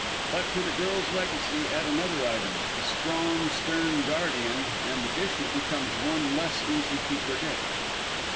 But, to the girl's legacy add another item a strong, stern guardian, and the issue becomes one less easy to predict.